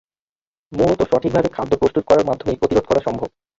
মূলত সঠিকভাবে খাদ্য প্রস্তুত করার মাধ্যমেই প্রতিরোধ করা সম্ভব।